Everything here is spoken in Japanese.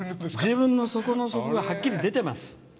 自分の底の底がはっきり出てます。